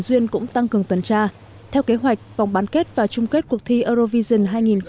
duyên cũng tăng cường tuần tra theo kế hoạch vòng bán kết và chung kết cuộc thi eurovision hai nghìn hai mươi